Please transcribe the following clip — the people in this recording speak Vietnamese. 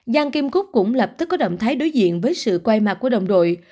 giang kim cúc cũng lập tức có động thái đối diện với sự quay mặt của đồng đội